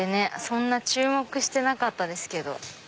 そんな注目してなかったですけど。